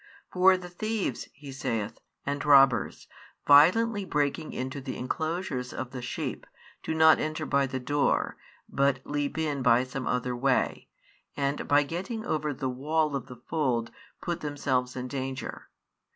For the thieves, He saith, and robbers, violently breaking into the enclosures of the sheep, do not enter by the door, but leap in by some other way, and by getting over the wall of the fold put themselves in danger.